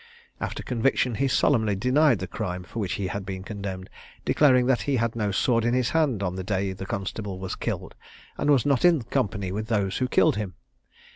After conviction he solemnly denied the crime for which he had been condemned, declaring that he had no sword in his hand on the day the constable was killed, and was not in company with those who killed him.